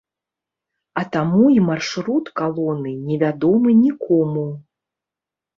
А таму і маршрут калоны не вядомы нікому.